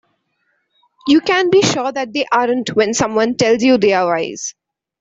You can be sure that they aren't when someone tells you they are wise.